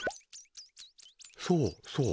そうそう。